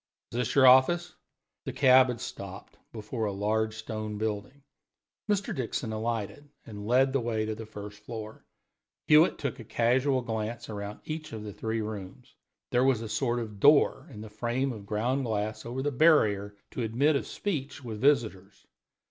Is this your office?" The cab had stopped before a large stone building. Mr. Dixon alighted and led the way to the first floor. Hewitt took a casual glance round each of the three rooms. There was a sort of door in the frame of ground glass over the barrier to admit of speech with visitors.